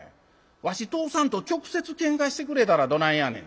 わし通さんと直接喧嘩してくれたらどないやねん。